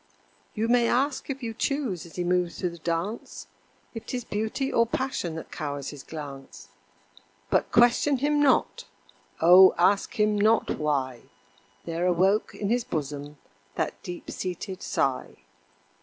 You may ask if you choose as he moves through the dance, If 'tis Beauty or Passion that cowers his glance, But question him not, O! ask him not why There awoke in his bosom that deep seated sigh.